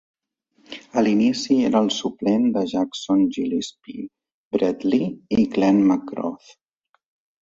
A l'inici era el suplent de Jason Gillespie, Brett Lee i Glenn McGrath.